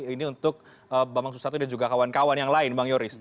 ini untuk bambang susatyo dan juga kawan kawan yang lain bang yoris